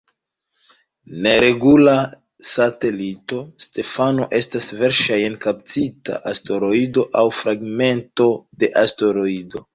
Neregula satelito, Stefano estas verŝajne kaptita asteroido aŭ fragmento de asteroido.